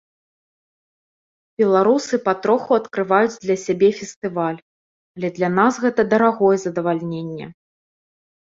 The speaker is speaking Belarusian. Беларусы патроху адкрываюць для сябе фестываль, але для нас гэта дарагое задавальненне.